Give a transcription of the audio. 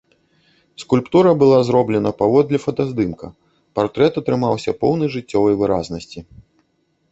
Скульптура была зроблена паводле фотаздымка, партрэт атрымаўся поўны жыццёвай выразнасці.